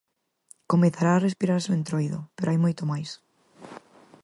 Comezará a respirarse o entroido, pero hai moito máis.